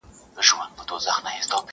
دغه ګناه مي لویه خدایه په بخښلو ارزي.